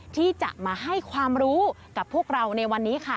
ที่จะมาให้ความรู้กับพวกเราในวันนี้ค่ะ